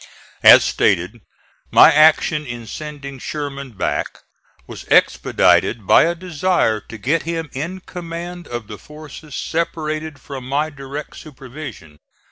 As stated, my action in sending Sherman back was expedited by a desire to get him in command of the forces separated from my direct supervision.